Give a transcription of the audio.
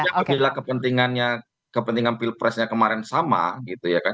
apabila kepentingan pilpresnya kemarin sama gitu ya kan